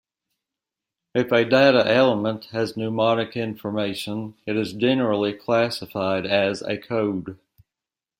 If a data element has mnemonic information it is generally classified as a code.